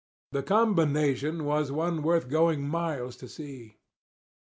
The combination was one worth going miles to see.